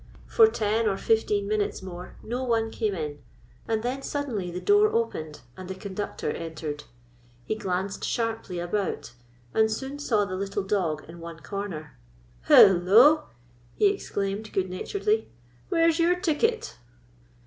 For ten or fifteen minutes more no one came in, and then suddenly the door opened, and the conductor entered. Tie glanced sharply about, and soon saw the little dog in one corner. " Hello," he exclaimed, good naturedly; "where 's your ticket?"